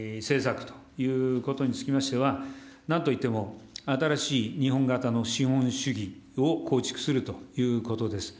そして、必ず実現したい課題、政策ということにつきましては、なんといっても新しい日本型の資本主義を構築するということです。